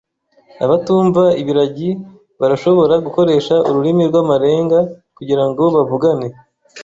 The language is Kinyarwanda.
Abatumva-ibiragi barashobora gukoresha ururimi rwamarenga kugirango bavugane.